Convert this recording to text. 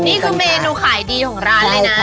นี่คือเมนูขายดีของร้านเลยนะ